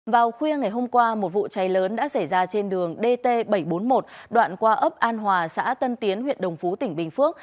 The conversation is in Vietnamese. vào khuya ngày hôm qua một vụ cháy lớn đã xảy ra trên đường dt bảy trăm bốn mươi một đoạn qua ấp an hòa xã tân tiến huyện đồng phú tỉnh bình phước